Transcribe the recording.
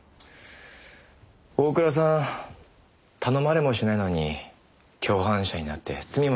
大倉さん頼まれもしないのに共犯者になって罪まで被って。